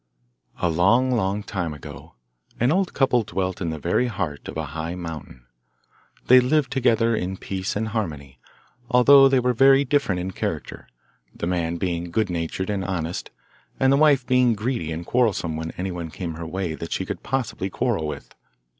A long long time ago, an old couple dwelt in the very heart of a high mountain. They lived together in peace and harmony, although they were very different in character, the man being good natured and honest, and the wife being greedy and quarrelsome when anyone came her way that she could possibly quarrel with.